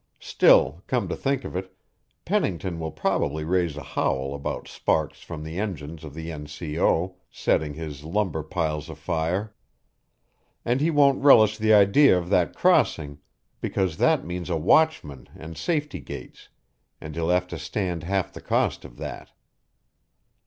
Still, come to think of it, Pennington will probably raise a howl about sparks from the engines of the N. C. O. setting his lumber piles afire. And he won't relish the idea of that crossing, because that means a watchman and safety gates, and he'll have to stand half the cost of that."